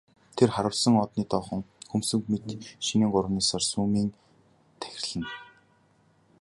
Тэр харвасан одны доохон хөмсөг мэт шинийн гуравны саран сүүмийн тахирлана.